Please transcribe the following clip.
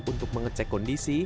untuk mengecek kondisi